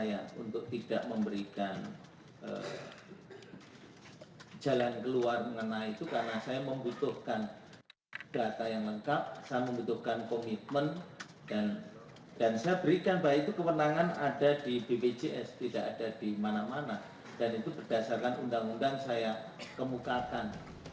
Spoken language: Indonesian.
dan itu berdasarkan undang undang saya kemukakan